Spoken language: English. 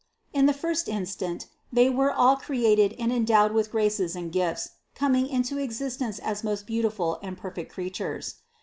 In the first instant they were all created and endowed with graces and gifts, coming into existence as most beautiful and perfect creatures.